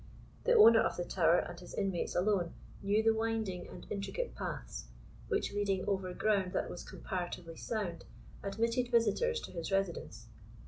The owner of the tower and his inmates alone knew the winding and intricate paths, which, leading over ground that was comparatively sound, admitted visitors to his residence.